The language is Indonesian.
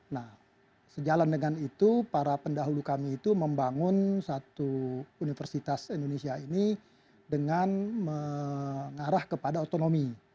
nah sejalan dengan itu para pendahulu kami itu membangun satu universitas indonesia ini dengan mengarah kepada otonomi